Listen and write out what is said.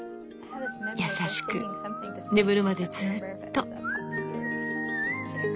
優しく眠るまでずうっと。